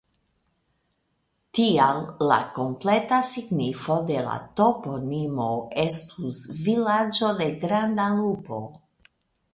Tial la kompleta signifo de la toponimo estus "vilaĝo de granda lupo".